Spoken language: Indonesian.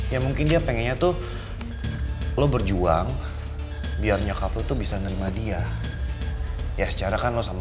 ya mungkin dia pengennya tuh lu berjuang biar nyokap itu bisa menerima dia ya secara kan lo sama